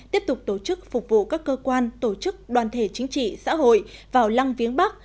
tiếp tục tổ chức phục vụ các cơ quan tổ chức đoàn thể chính trị xã hội vào lăng viếng bắc